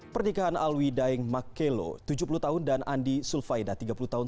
pernikahan alwi daeng makelo tujuh puluh tahun dan andi sulfaida tiga puluh tahun